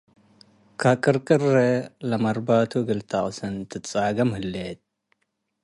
ከቅርቅሬ ለመርባቱ እግል ተቅስን ትትጻ'ገም ሀሌ'ት።